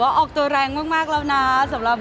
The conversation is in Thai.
คือบอกเลยว่าเป็นครั้งแรกในชีวิตจิ๊บนะ